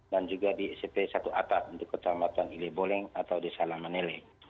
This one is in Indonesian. dan juga di smp satu atak di kecamatan ile boleng atau desa lama nile